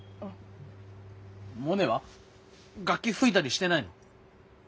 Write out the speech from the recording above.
モネは楽器吹いたりしてないの？